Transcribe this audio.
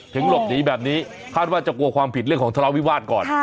หลบหนีแบบนี้คาดว่าจะกลัวความผิดเรื่องของทะเลาวิวาสก่อน